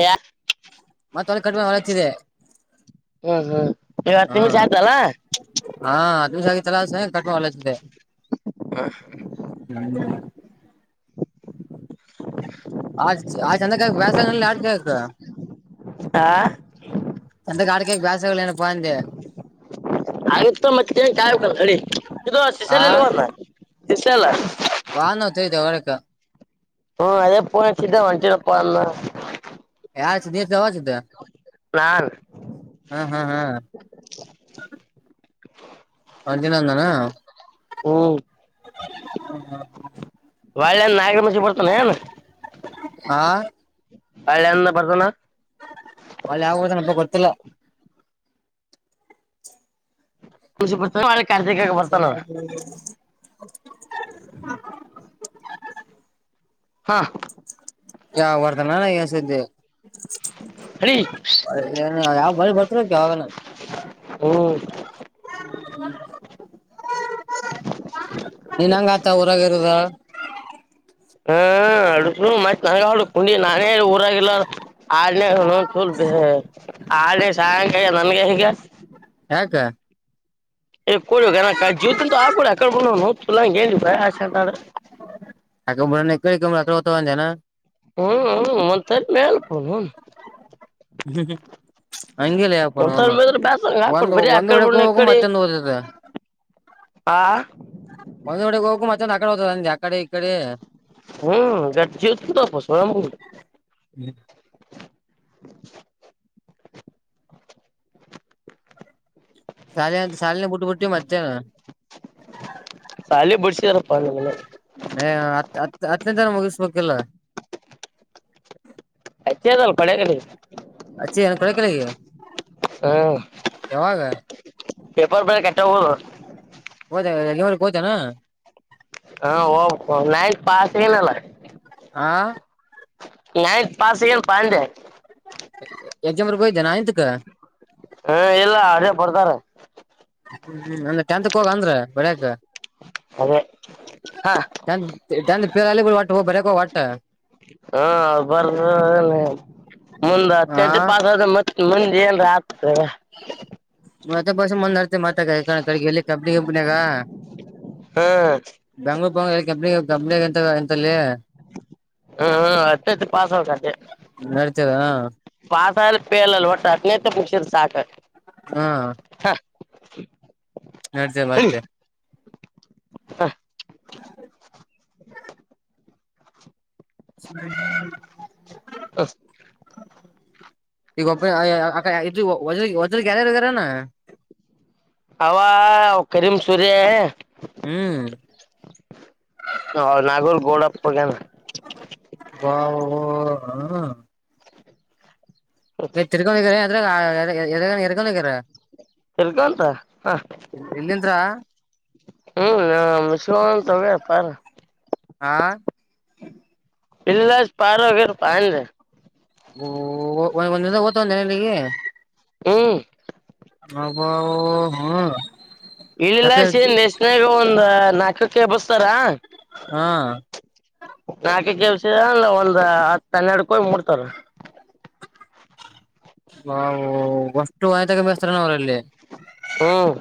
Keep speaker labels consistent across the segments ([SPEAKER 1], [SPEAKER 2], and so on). [SPEAKER 1] ಎಯ
[SPEAKER 2] ಮತ್ತ ಹೊ ಕಡಿಮೆ ಹೊಳ ಅಚಿದೆ
[SPEAKER 1] ಹ್ಮ್ ಇವತ್ತು
[SPEAKER 2] ಹಾ
[SPEAKER 1] ನಿಮಿಷ ಆಯ್ತಲ್ಲ
[SPEAKER 2] ಹಾ ಆತ್ಮಶಾಗಿ ತಲ [unintelligible] ತೆ ಆ ಆ ಚೆಂದ ಕ ಬಸಂಗ ಆಡ್ ಕಕ್
[SPEAKER 1] ಆ
[SPEAKER 2] ಅಂತ ಕಡಿಕ ಬಾಸಗಲ್ಲನ ಪಂದೆ
[SPEAKER 1] ಆಗತ್ತ ಮತ್ತೆ ನ್ ಕಾಯಬೇಕ ಗಡಿ ಇದು ಶಿಸಿಸ್ಯಲೆ ಇಲ್ವಣ ಶಿಸ್ಯ ಎಲ್ಲ
[SPEAKER 2] ವಾಹ ನೋತಯತ ಹೊಳಕ
[SPEAKER 1] ಹ್ಮಅದೇ ಫೋನ್ ಆಚಿಧೆ ಒನ್ ಚೂರು ಫೋನ್
[SPEAKER 2] ಯಾರ [unintelligible]
[SPEAKER 1] ನಾರ್
[SPEAKER 2] ಹ್ಮ್ ಹ್ಮ್ ಹ್ಮ್ ಅಂಜಿನಂದನಾ
[SPEAKER 1] ಹ್ಮ್
[SPEAKER 2] [inaudible]
[SPEAKER 1] ವೈಲ್ಡ್ ಲೈಂಡ ನಯಗ್ರ ಮಶ ಬಡ್ತನನ
[SPEAKER 2] ಹಾ
[SPEAKER 1] ಅಳನ್ನ ಪಡ್ತನಾ
[SPEAKER 2] ಅಲ್ ಯಾವದನಬ್ಬ ಗೊತ್ತಿಲ್ಲ
[SPEAKER 1] ಖುಷಿಡ್ತ ಕ ಬರ್ತಾನ
[SPEAKER 2] ಹ [unintelligible]
[SPEAKER 1] ಹಾ
[SPEAKER 2] ಯಾವ ಬರ್ತಾನಾನ ಎಸಿದೆ
[SPEAKER 1] ಅಡಿ
[SPEAKER 2] ಅ ಆವ ಬಾರಿ ಬತರ ಯಾವಗನ [inaudible]
[SPEAKER 1] ಹ್ಮ್
[SPEAKER 2] ನಿನ್ನಂಗ ಆತ ಊರಗ ಇರುದ
[SPEAKER 1] ಹ್ಮ್ ಅ ತನ ಕು ನಾನೇ ಊರಿ ಇಲ್ಲ [unintelligible] ಆಳ ಸಾಯಂಕಾಲ ನನ್ಗೆ ಹೀಗ
[SPEAKER 2] ಯಾಕ
[SPEAKER 1] [unintelligible] ಆಗ ಬನು ತ ಭ [unintelligible]
[SPEAKER 2] [unintelligible]
[SPEAKER 1] ಹು ಹು [unintelligible]
[SPEAKER 2] ಹ್ಮು ಹ್ಮು. ಹಂಗಿಲ್ಲ
[SPEAKER 1] ಒಂದ್ಸರಿ
[SPEAKER 2] [unintelligible]
[SPEAKER 1] ಮೇದ್ರ ಬೇಸಂಗ
[SPEAKER 2] ಒಂದ
[SPEAKER 1] ಹಾಕೊಡ್ ಬರೀ ಆಕಡೆ
[SPEAKER 2] ಒಂದ್
[SPEAKER 1] ಬಂದ ಈ
[SPEAKER 2] [unintelligible]
[SPEAKER 1] ಕಡೆ
[SPEAKER 2] ಮತ್ತೊಂದು ಓದಿದೆ.
[SPEAKER 1] ಆ
[SPEAKER 2] ಒಂದ್ [unintelligible]
[SPEAKER 1] ಹು [unintelligible]
[SPEAKER 2] [unintelligible]
[SPEAKER 1] [inaudible]
[SPEAKER 2] ಶಾಲ್ಯಾಗ್ ಶಾಲಿನ ಬುಟ್ಟು ಬುಟ್ಟಿ ಮತ್ತೇನ್.
[SPEAKER 1] ಸಾಲಿ ಬಿಡ್ಸಿದಾರಪ್ಪ ನಮ್ಮನೆ
[SPEAKER 2] ಎ ಹತ್ ಹತ್ ಹತ್ತನೇಂತರೆ ಮುಗಿಸ್ಬೇಕಿಲ್ಲ. [inaudible]
[SPEAKER 1] [unintelligible]
[SPEAKER 2] ಅಚ್ಚಿ ಏನ್ [unintelligible]
[SPEAKER 1] ಹ್ಮ್
[SPEAKER 2] ಯಾವಾಗ.
[SPEAKER 1] ಪೇಪರ್ ಬರ್ಯಾಕ್ ಅಟ್ಟ್ ಹೋಗುದ್.
[SPEAKER 2] ಹೋದ ಯಾನ್ನವಲ್ಕ್ ಹೋತಿ ಅನ್ ಅ.
[SPEAKER 1] ಹಾ ಹೋಗ್ಬೇಕು ನೈನ್ತ್ ಪಾಸ್ [unintelligible]
[SPEAKER 2] ಆ
[SPEAKER 1] ನೈನ್ತ್ ಪಾಸ್ ಆಗಿಲ್ಲಪಾ ಅಂದೇ.
[SPEAKER 2] ಎಕ್ಸಾಮ್ ಬಾರಿಯಾಕೆ ಹೋಗಿಧೇನ
[SPEAKER 1] ಹಾ ಇಲ್ಲ ಅಲ್ಲೇ ಬರ್ದಾರ.
[SPEAKER 2] ಹ್ಮು ಹ್ಮು ಅಂದ್ರ ಟೆಂತಕೋಗ್ ಅಂದ್ರ ಬರ್ಯಾಕ್.
[SPEAKER 1] ಅದೇ ಹಾ
[SPEAKER 2] ಟೆಂತ್ ಟೆಂತ್ [unintelligible] ಬರ್ಯಾಕ್ ಹೋಗ್ ವಟ್ಟ್.
[SPEAKER 1] ಹ್ಮ ಬರ್ದ ಮುಂದ
[SPEAKER 2] ಹಾ
[SPEAKER 1] ಹತ್ತನೇತೆ ಪಾಸ್ ಆದ್ರ ಮತ್ತ್ ಮುಂದ್ ಏನ್ರ ಆತಂದ್ರ.
[SPEAKER 2] [unintelligible]
[SPEAKER 1] ಹ್ಮ್
[SPEAKER 2] ಬೆಂಗಳೂರ್ [unintelligible] ತ್ತಲೇ
[SPEAKER 1] ಹ್ಮ್ ಹತ್ತತ್ತು ಪಾಸ್ ಆಗತ್ತೆ
[SPEAKER 2] [inaudible] ನಡೀತೀರಾ.
[SPEAKER 1] ಪಾಸ್ ಆಗಲಿ ಫೇಲ್ ಅಲ್ಲಲ್ ಅಟ್ಲಿತ್ ಮುಗ್ಸಿರ ಸಾಕ್.
[SPEAKER 2] ಹಾ.
[SPEAKER 1] [unintelligible]
[SPEAKER 2] [unintelligible]
[SPEAKER 1] ಹೇಳಿ
[SPEAKER 2] ಮತ್ತೆ.
[SPEAKER 1] ಹ.
[SPEAKER 2] [unintelligible]
[SPEAKER 1] ಅಸ್.
[SPEAKER 2] ಈಗ್ ಒಬ್ಬ. [unintelligible]
[SPEAKER 1] ಅವ ಅವ್ವ್ ಕರೀಮ್ ಸೂರ್ಯ. [inaudible]
[SPEAKER 2] ಹ್ಮ್
[SPEAKER 1] ಹ ನಾಗೋಲ್ ಗೋಳಪ್ಪ ಹೋಗ್ಯಾನ್.
[SPEAKER 2] ವಾ ವಾ. [unintelligible] [unintelligible]
[SPEAKER 1] ತಿಲ್ಕಂತ ಹ.
[SPEAKER 2] ಇಲ್ಲಿಂತ್ರ
[SPEAKER 1] ಹ್ಮು ನಾ [unintelligible] ಪಾರ್.
[SPEAKER 2] ಆ.
[SPEAKER 1] ಇಲ್ಲಸ್ ಪಾರ್. [unintelligible] ಹ್ಮ್
[SPEAKER 2] [inaudible] ಅಬೂ ಓ ಹ್.
[SPEAKER 1] ಇಲ್ಲಾಸೆ ನೆಸ್ನರ್ ಒಂದ್ ನಾಕಕ್ಕೆ ಎಬಸ್ತಾರ.
[SPEAKER 2] ಹಾ
[SPEAKER 1] ನಾಕಕ್ ಎಬ್ಬಿಸಿರಂದ್ರ ಒಂದ್ ಹತ್ತ, ಹನ್ನ್ಯಾಡಕ್ ಹೋಗಿ ಮೂಡ್ತಾರ.
[SPEAKER 2] ನಾವು [unintelligible] ಅವ್ರಲ್ಲಿ.
[SPEAKER 1] ಹ್ಮ್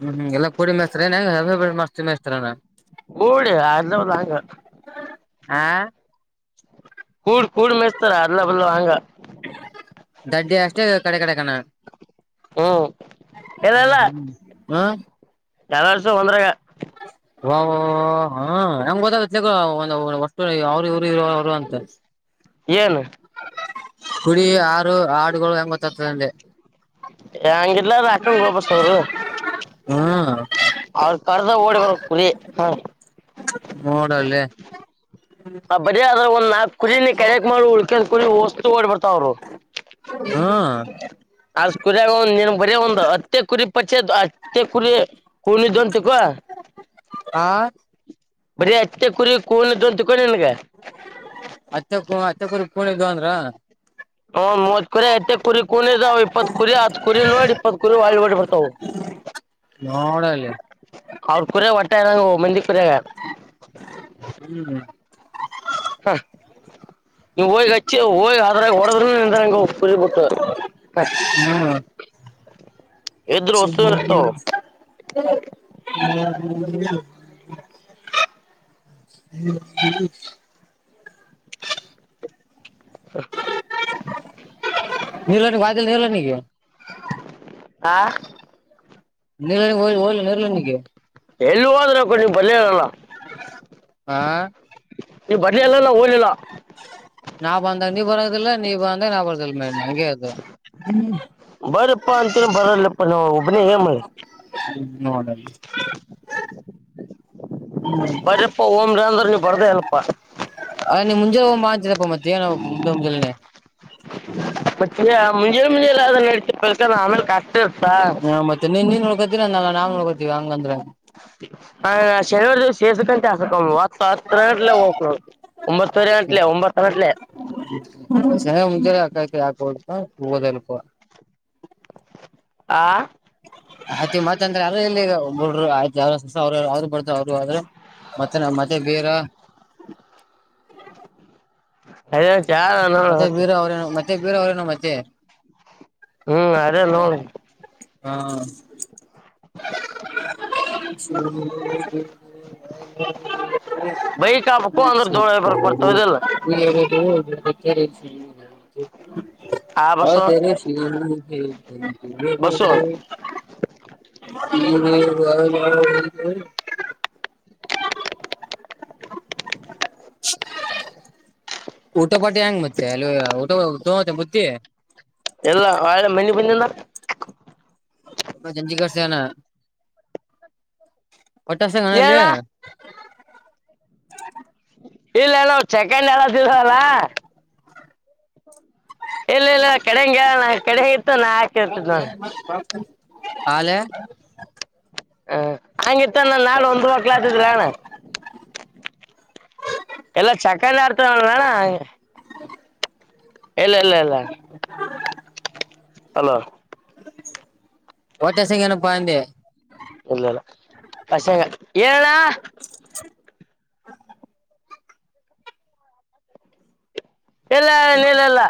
[SPEAKER 2] ಹ್ಮು ಹ್ಮು ಎಲ್ಲಾ ಕೂಡಿ ಮೆಸ್ತೀರ ಏನ ಹೆಂಗ್ ಹಂಗ್ ಬಿಟ್ಟ ಮಸ್ ಮೆಸ್ತೀರನಾ.
[SPEAKER 1] ಕೂಡಿ [unintelligible] ಹಾಂಗ್.
[SPEAKER 2] ಆ
[SPEAKER 1] ಕೂಡ್ ಕೂಡಿ ಮೇಸ್ತಾರ ಅಲ್ಲ ಬಲ್ಲ ಹಾಂಗ್.
[SPEAKER 2] ದಡ್ಡಿ ಅಷ್ಟೇ ಕಡೆ ಕಡೆ ಕಣ.
[SPEAKER 1] ಹ್ಮ್
[SPEAKER 2] ಹ್ಮ ಹಾ.
[SPEAKER 1] ಎಲ್ಲರ್ಸ ಒಂದ್ರಗ.
[SPEAKER 2] ಓ ಹ ಹೆಂಗ್ ಗೊತ್ತಾಗತ್ ಒು ಅವರು ಇವ್ರು ಇ ಅವರು ಅಂತ.
[SPEAKER 1] ಏನ್.
[SPEAKER 2] ಕುಡಿ ಆರು ಆಡುಗಳು ಹೆಂಗ ಗೊತ್ತತತಂದೆ.
[SPEAKER 1] ಹೆಂಗಲ್ಲ ಅಕ್ಕೊಂಡ ಗೋಪಸ್ ಅವರು.
[SPEAKER 2] ಹ್ಮ್
[SPEAKER 1] ಅವ್ರ ಕರ್ದ ಓಡಿ ಬ ಕುರಿ ಹ.
[SPEAKER 2] ನೋಡಲೆ.
[SPEAKER 1] ಆ ಬರಿ ಆದ್ರೆ ಒಂದ್ ನಾಲ್ಕು. ಕುರಿ ಕೆರೆಕ್ ಮಾಡ ಉಳ್ಕ ಕು ವಸ್ತು ಓಡ್ಬರ್ತಾವರು.
[SPEAKER 2] ಹ್ಮ್
[SPEAKER 1] ಅದ್ ಕುರಿಯಾಗ್ ಒ ನೀನ್ ಬರಿ ಒಂದು ಅತ್ತೆ ಕುರಿ ಪಚ್ಚೆ ಅತ್ತೆ ಕುರಿ. ಕುರಿ ಅಯ್ತನ್ ತಿಳ್ಕೊ.
[SPEAKER 2] ಆ
[SPEAKER 1] ಬರೀ ಅತ್ತೆ ಕುರಿ ಕೂಂತಕೊಂಡಿ ನಿನ್ಗೆ.
[SPEAKER 2] ಅತ್ತಕ್ಕೂ ಅತ್ತಕ್ಕೂರಿ ಪೂಣದು ಅಂದ್ರ.
[SPEAKER 1] ಹ್ ಮೂವತ್ ಕುರಿ ಐತ್ತ ಕುರಿ ಕೂದಾವ್ ಇಪ್ಪತ್ ಕುರಿ ಹತ್ ಕುರಿ ನೋಡಿ ಇಪ್ಪತ್ ಕುರಿ ಒಳ್ಳ ಹೊಟ್ಟಬಡ್ತಾವವು.
[SPEAKER 2] ನೋಡೆ.
[SPEAKER 1] ಅವ್ರ ಕುರ್ಯಾಗ ಒಟ್ಟ ಏನಂಗ ಮಂದಿ ಕುರ್ಯಾಗ್. ಹ ನೀ ಹೋಗ್ ಹಿ ಅದ್ರಾಗ ಹೊಡದ್ಯ ನಿಂಗ ಕುರಿ ಬಿಟ್ಟ.
[SPEAKER 2] ಹ್ಮ್
[SPEAKER 1] ವಸ್ತು ಇರ್ತಾವ
[SPEAKER 2] [unintelligible] [inaudible] [inaudible] [unintelligible]
[SPEAKER 1] ಆ.
[SPEAKER 2] ನಿರ್ ಓಯ್ ಓಯ್ ನಿರ್ಲನಿಗೆ.
[SPEAKER 1] ಎಲ್ಲ ಹ ಆದ್ರೆ ಕೊು ನೀ್ ಬಲ್ಲೇ ಇರಲ್ಲ
[SPEAKER 2] ಆ
[SPEAKER 1] ಈ ಬಟ್ ಎಲ್ಲ ಹೋಗಿ
[SPEAKER 2] ನಾ ಬಂದಾಗ ನೀ ಬರೋದಿಲ್ಲ ನೀ ಬಂದಾಗ ನಾ ಬರದಿಲ್ಲ ಮೇಲೆ
[SPEAKER 1] ಬರಪ್ಪಾ ಅಂತನ ಬರಲ್ಲಪ್ಪ ನಾ ಒಬ್ನ ಮಾಡಿ
[SPEAKER 2] ಹ್ಮ ನೋಡಣ
[SPEAKER 1] ಬರಪ್ಪಾ ಓಮ್ರ ಅಂದ್ರಿಗೆ ಬರ್ದೇ ಅಲ್ಲಪ್ಪಾ
[SPEAKER 2] ಅದ್ ನಿಮ್ ಮುಂಜೆ ಹೋಗ್ ಮಾಡ್ತೀರಪ್ಪ ಮತ್ತೆ ಏನನೆ
[SPEAKER 1] ಮತ್ತೆ ಮುಂಜೆ ಮುಂಜೆಲ್ಲ್ರ ನಡ್ತಿ ಕಲ್ಕಂದ ಆಮೇಲೆ ಕಷ್ಟ ಇಸಾ
[SPEAKER 2] ಯ ದಾ್
[SPEAKER 1] ಹ ಶನಿವಾರದ ಸೇರ್ಸಕ್ಕಂತ ಹ ತ್ತ ನಟಲ್ಲ ಹಕು ಒಂಬತ್ತರೆ ಗಂಟಿಲ್ಲ ಒಂಬತ್ತುನಟಲೆೇ
[SPEAKER 2] ನ ಹಗ ಅಕಾಕ ಯಾಕತ ಹದಲ್ಪ
[SPEAKER 1] ಆ
[SPEAKER 2] ಆಯ್ತಿ ಮತ್ತಂದ್ರ ಯಾರ ಇಲ್ಲಿರು ಆಯ್ ಯಸ ಅವ್ರ್ರು ಬರ್ತ ಅವರು್ರರು ಮತ್ತೆ ನ ಮತ್ತೆ ಬೇರ
[SPEAKER 1] ಅದ ಚಾರ ನೋಡ
[SPEAKER 2] ಮತ್ತೆ
[SPEAKER 1] ಹೊಟ್ಟೆ
[SPEAKER 2] ಬೀರ ಅವ್ರೇನು ಮತ್ತೆ ಬೇರೆ ಅವ್ರನ ಮತ್ತೆ
[SPEAKER 1] ಹ್ಮ್ ಅರೆೇ ನೋಡಿ
[SPEAKER 2] ಹಾ ಸ
[SPEAKER 1] ಬೈಕ್ ಹಾಕ್ಬೇಕು ಅಂದ್ರ ಧೂಳ ಬರ್ಕ್ ಬರ್ತಾವ ಇದಿಲ್ಲ
[SPEAKER 2] ಎದ ಹೌ
[SPEAKER 1] ಆ ಬಸ್ಸು
[SPEAKER 2] ಸ
[SPEAKER 1] ಬಸ್ಸು
[SPEAKER 2] ಊಟೋಪಾಟಿ ಹೆಂಗ ಮತ್ತೆ ಅಲ್ಲಿ ಊ ತತ ಮುುದ್ಧ [inaudible]
[SPEAKER 1] ಮನಿಂದ
[SPEAKER 2] ಜಂಜ ಕಾಸೆಯಾನ [inaudible] ಹೊಟ್ಟೆ
[SPEAKER 1] ಹೇಳ
[SPEAKER 2] ಸ್ತೈತಾ
[SPEAKER 1] ಇಲ್ಲೇ ನ ಚೆಕನ್ ಎಲ್ಲ ತಿಸಲ್ಲ ಇಲ್ಲ ಇಲ್ಲ ಕೆಡೆಂಗಗೆ ಕೆಡೆ ಇತ್ತು ನಾ ಹಾಕ ಇರ್ತಿದ್ ನೋ
[SPEAKER 2] ಹಾಲ [inaudible]
[SPEAKER 1] ಹ ಹಂಗಿತ್ತ ನಾ ನಾಳೆ ಒಂದ್ ವಕ್ಲತಿದ್ರಣ್ಣ ಎಲ್ಲ ಚಕ್ಕಂದ ಆಡ್ತ ನಣ ಇಲ್ಲ ಇಲ್ಲ ಇಲ್ಲ ಹಲೋ
[SPEAKER 2] ಹೋಯಿತಾ ಸಿಂಗನಪ್ಪಾಯಂದೆ
[SPEAKER 1] ಇಲ್ಲಲ್ಲ ಅಷ ಹೇಳಏಣ ಎಲ್ಲ ನೀಲ್ಲಲ್ಲ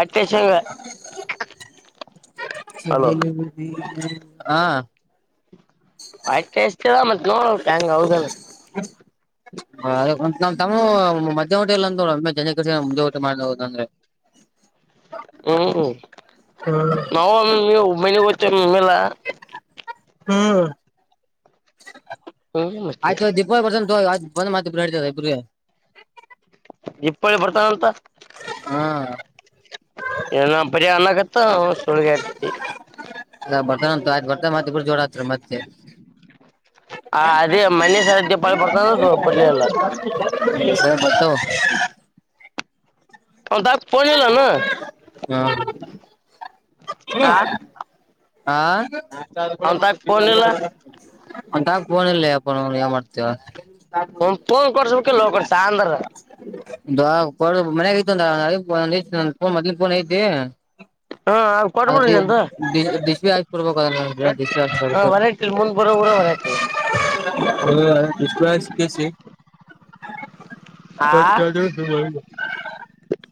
[SPEAKER 1] ಒಟ್ಟು ಸೆನ್ಗಿಲ್ಲ
[SPEAKER 2] ಹಾ [inaudible]
[SPEAKER 1] ವಾಟ್ ಅಸ್ತಿಲ ಮತ್ತ್ ನೋಡ ಹೆಂಗ ಹೌದಲ್ಲ
[SPEAKER 2] ಒ ನ್ ತಮ್ಮ ಮ [inaudible] ನಿ ಹೊಟ್ಟ ಎಲ್ಲ ಅಂದೋ ಜನ ಮುಂಜೆ ಹೊಟೆ ಮಾಡದ ಅಂದ್ರೆ
[SPEAKER 1] ಹ್ಮ್
[SPEAKER 2] ಹ್ಮ್
[SPEAKER 1] ನವು ನೀವು ಮನಗತ್ತ ಮೇಲೆಲ್ಲಾ [inaudible]
[SPEAKER 2] ಹ್ಮ್
[SPEAKER 1] ಹಂಗೆ ಮತ್ತೆ
[SPEAKER 2] ಆಯ್ತು ದೀಪಾವಳ ಬರ್ಸನ್ ಇ ಬಂದ್ ಮಾತ ಇಬ್ರು ಹತದ ಇಬರು
[SPEAKER 1] ಇಪ್ಪಳ್ಳಿ ಬರ್ತಾನಂತ
[SPEAKER 2] ಹಾ
[SPEAKER 1] [unintelligible] ಬಡ ಅಣಾಗತ್ತ ಸುಳ್ಗ್ಯಕಿತ್ತು.
[SPEAKER 2] [unintelligible] ಬರ್ತ ಮ ಜೋಡಾತ್ರ ಮತ್ತೆ.
[SPEAKER 1] ಆ ಅದೇ ಮನೆ ಸರ ದೀಪಾವಳಿ ಬರ್ತಾನ ಬರ್ಲಿಲ್ಲ
[SPEAKER 2] [inaudible] ಬತ್ತು [inaudible]
[SPEAKER 1] ಅಂದಾಗ್ ಫೋನ್ ಇಲ್ಲೇನು.
[SPEAKER 2] [inaudible] ಅ
[SPEAKER 1] ಅವನ್ ತಾಕ ಫೋನ್ ಇಲ್ಲ
[SPEAKER 2] ಔನ್ತಾಕ ಫೋನ್ ಇಲ್ಲ ಯಪ್ಪಾ ಏನ್ ಮಾಡ್ತೀಯಾ.
[SPEAKER 1] ಅವನ್ ಫೋನ್ ಕೊಡ್ಸ್ಬೇಕಿಲ್ಲ ಕೊಡ್ಸ ಅಂದ್ರ
[SPEAKER 2] [unintelligible] ಮನೆ [unintelligible] ಮೊದ್ಲು ಫೋನ್ ಅಯ್ತಿ.
[SPEAKER 1] ಹಾ ಕೊಟ್ಬಿಡ ನಿಂದು
[SPEAKER 2] [inaudible]
[SPEAKER 1] ಹ
[SPEAKER 2] ಕೊಡ್ಬೇಕು [inaudible]
[SPEAKER 1] ಹೊರಟಿಲ್ ಮುಂದ್ ಬರೋ ಊರ ಹೊರಟಿಲ್ಲ
[SPEAKER 2] ಹ ಇಷ್ಟ ಸಿಕ್ಕಿಸಿ
[SPEAKER 1] ಆ
[SPEAKER 2] [inaudible] [inaudible]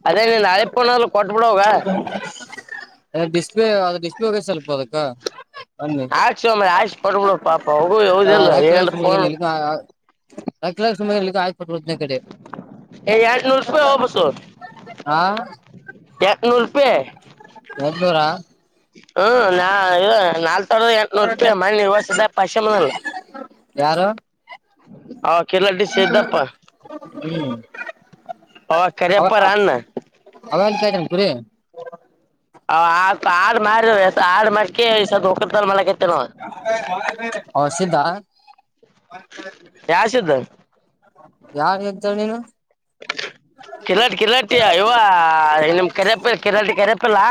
[SPEAKER 1] ಅದೇ ನೀನ್ ಹಳೆಪೊನಾದ್ರು ಕೊಟ್ಬಿಡು ಅವಗ.
[SPEAKER 2] ಡಿಸ್ಪ್ಲೇ ಆದ ಡಿಸ್ಪ್ಲೇ ಒಗದ ಸ್ವಲ್ಪ ಹದಕ್ಕ.
[SPEAKER 1] ಆಕ್ಸ್ ಮಾರಾಯ ಹಾಕ್ಸ್ ಕೊಡೋ ಪಾಪ ಹೆಗೂ ಯ್ಯೂಸ್ ಇಲ್ಲ ಏನ್ ಪೋನ್.
[SPEAKER 2] ಲಕ್ಷಲ [unintelligible] ಸಮಯಕ್ಕೆ ಆಪ ರೋದನೆ ಕಡೆ.
[SPEAKER 1] ಏ ಎರಡ್ನೂರು ರೂಪಾಯಿ ಹೊಬ್ಬಸು.
[SPEAKER 2] ಹಾ
[SPEAKER 1] ರೂಪಾಯಿ
[SPEAKER 2] ಒಂನೂರಾ.
[SPEAKER 1] ಹ್ಮ್ ನಾ ನಾಲ್ ತೊಡ ಎಂಟನೂರು ರೂಪಾಯಿ ಮಣ್ಣಿವಸದ ಪಶಚಮನಲ್.
[SPEAKER 2] ಯಾರು
[SPEAKER 1] ಹ ಕಿಲಡಿ ಸಿದಪ್ಪ.
[SPEAKER 2] [unintelligible]
[SPEAKER 1] ಆ ವ ಆ ಮಾರ ಆಡ್ ಮಾಡ್ಕಕತಲ್ಲ ಮಲ ಕೆತ್ತ ನೋ [unintelligible]
[SPEAKER 2] ಅವ ಸಿದ್ದ
[SPEAKER 1] ಯಸಿದ್ದ
[SPEAKER 2] ಯಾರ್ ಹೇಕ್ತಳ್ ನೀನು.
[SPEAKER 1] ಕಿಲಾಟ ಕಿಲಾಟಿ ಯವ್ವ ನಿಮ್ ಕರೆಪ್ಪ ಕಿರಾಟಿ ಕೆರೆಪ್ಪಿಲ್ಲಾ.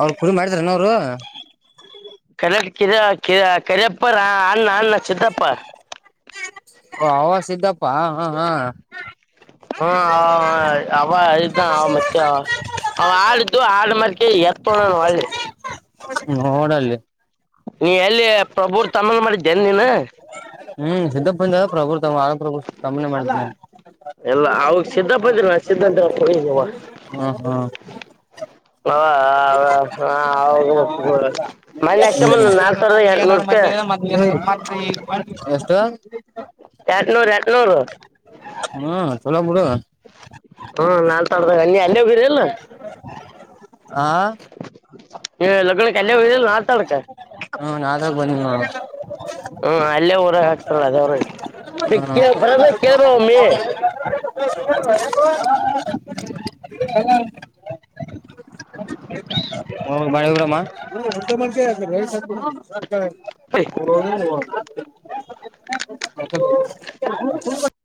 [SPEAKER 2] ಅವ್ರ ಪುಲ್ ಮಾಡಿದ್ರೇನ ಅವರು.
[SPEAKER 1] ಕರೆ ಕಿರ ಕಿರ ಕರಿಯಪ್ಪರ ಅಣ್ಣ ಅನ್ನ ಚತ್ತಪ್ಪ.
[SPEAKER 2] ಓ ಅವ ಸಿದ್ದಪ್ಪಾ ಹಾ ಹಾ ಹಾಂ.
[SPEAKER 1] ಹ್ಮ ಅ ಅಆ ಅವ ಇದ ಅವ ಮತ್ತೆ. ಅವ್ ಹಡ್ದು ಆಡ್ ಮರ್ಕೆ ಎತ್ಕಣ ಒಳ್ಳಿ.
[SPEAKER 2] ನೋಡಲ್ಲಿ.
[SPEAKER 1] ನೀ ಎಲ್ಲಿ ಪ್ರಭುರ್ ತಮ್ಮನ್ ಮಾಡಿದ್ದೆನ್ ನೀನ್.
[SPEAKER 2] ಹ್ಮ್ ಸಿದ್ದಪ್ಪ ಬಂದ ಪ್ರಭು ತ ಆರ ಪ್ರಭು ತಮ್ಮನೆ ಮಾಡ್ತ
[SPEAKER 1] ಎಲ್ಲ ಅವಾಗ ಸಿದ್ದಪ್ಪದಿಲ್ಲ ಸಿದ್ಧ ಅಂತ ಹೋಗಿದವ
[SPEAKER 2] ಹ್ಮ ಹ್ಮ ಹ
[SPEAKER 1] [unintelligible] ಮನ್ ಯ ನಾಲ್ ಸಾವಿರ ಎಂಟನೂರು ರೂಪಾಯ್.
[SPEAKER 2] ಹ ಎಷ್ಟು.
[SPEAKER 1] ಎಂಟ್ನೂರು ಎಂಟ್ನೂರು.
[SPEAKER 2] ಹ್ಮ ಚಲೋ ಬಿಡು.
[SPEAKER 1] ಹ್ಮ ನಾನ್ ತ ಅನ್ನಯ ಬೀರಿಲ್ಲ.
[SPEAKER 2] ಆ
[SPEAKER 1] ಲಗ್ನ ಕಲ್ಯ
[SPEAKER 2] ಹ್ಮ ನಾಲ್ಕ
[SPEAKER 1] [unintelligible]
[SPEAKER 2] ಬಂದಿ ನೋಡು
[SPEAKER 1] ಹ್ಮ ಅಲ್ಲೇ ಊರಾಗ ಹಾಕ್ತಾರ ಅದೇ ಉರಗೆ.
[SPEAKER 2] [unintelligible] [unintelligible] ಹೋಗ್ ಬಾಳೆ ಹೋಗ್ರಮ್ಮ [unintelligible] [unintelligible]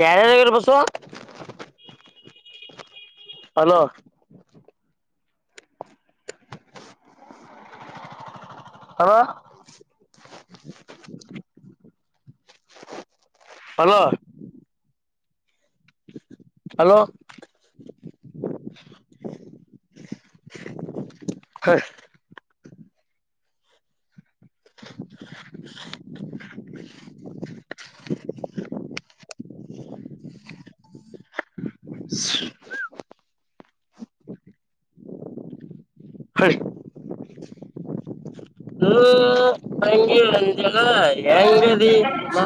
[SPEAKER 1] ಕಾರ ನಗರ ಬಸೋ ಅಲೋ
[SPEAKER 2] [inaudible]
[SPEAKER 1] ಹವಾ ಹಲೋ ಹಲೋ ಹ [inaudible] [inaudible] ಹರಿ ಹ ಅಂಗಗೆ ಅಂತಲ್ಲ ಹೆಂಗದ ಮಾ